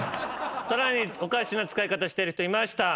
さらにおかしな使い方してる人いました。